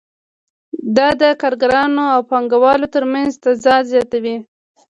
دا د کارګرانو او پانګوالو ترمنځ تضاد زیاتوي